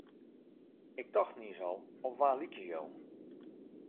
Ik tocht niis al, op wa lykje jo?